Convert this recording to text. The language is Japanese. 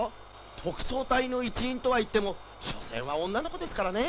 特捜隊の一員とはいっても所詮は女の子ですからね。